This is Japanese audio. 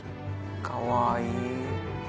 かわいい。